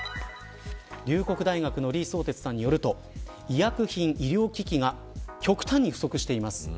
龍谷大学の李さんによりますと医薬品、医療機器が極端に不足しています。